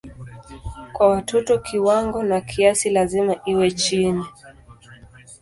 Kwa watoto kiwango na kasi lazima iwe chini.